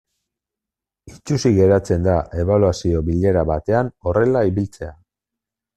Itsusi geratzen da ebaluazio bilera batean horrela ibiltzea.